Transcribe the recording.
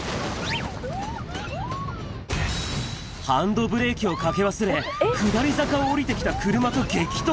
ハンドブレーキをかけ忘れ、下り坂を下りてきた車と激突。